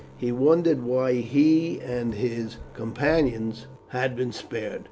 He wondered why he and his companions had been spared.